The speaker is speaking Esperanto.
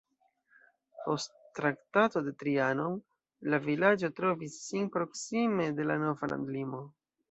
Post Traktato de Trianon la vilaĝo trovis sin proksime de la nova landlimo.